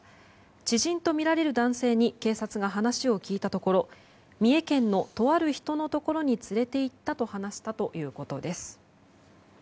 知人とみられる男性に警察が話を聞いたところ三重県の、とある人のところに連れて行ったと話したということです。